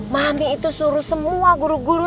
mami itu suruh semua guru guru